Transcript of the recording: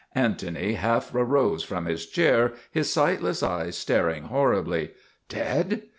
Antony half rose from his chair, his sightless eyes staring horribly. " Dead?